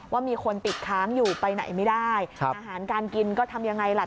ว่ามีคนติดค้างอยู่ไปไหนไม่ได้อาหารการกินก็ทำยังไงล่ะ